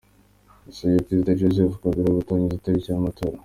Yasabye Perezida Joseph Kabila gutangaza itariki y’amatora.